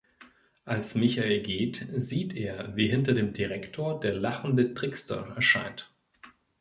Als Michael geht, sieht er, wie hinter dem Direktor der lachende Trickster erscheint.